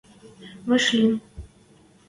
вӓшлин.